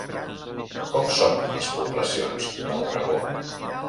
Com són les poblacions del dragó?